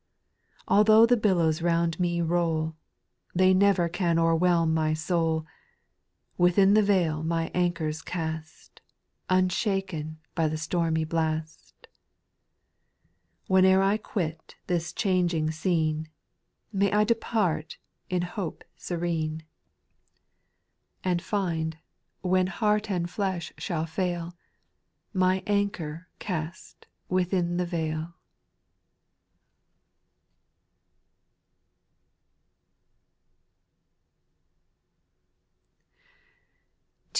5. Altho' the billows round me roll. They never can overwhelm my soul ; Within the vail my anchor's cast. Unshaken by the stormy blast 6. Whene'er I quit this changing scene, May I depart in hope serene ; 29 \ 826 SPIRITUAL SONGS. And find, when heart and flesh shall fail, My anchor cast within the vail.